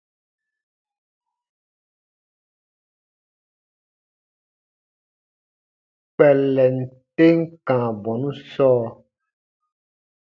Kpɛllɛn tem kãa bɔnu sɔɔ.